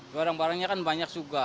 barang barangnya kan banyak juga